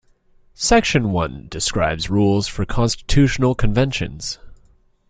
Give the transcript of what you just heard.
Section one describes rules for constitutional conventions.